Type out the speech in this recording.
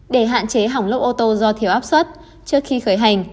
để hạn chế hỏng lốc ô tô do thiếu áp suất trước khi khởi hành